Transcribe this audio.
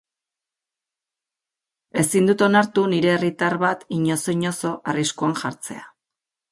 Ezin dut onartu nire herritar bat inozo-inozo arriskuan jartzea.